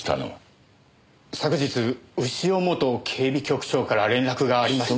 昨日潮元警備局長から連絡がありまして。